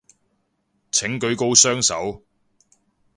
請舉高雙手